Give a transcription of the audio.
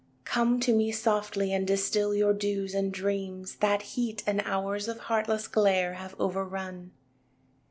Come to me softly and distil Your dews and dreams, that heat And hours of heartless glare have overrun.